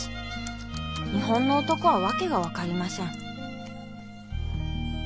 日本の男は訳が分かりません」。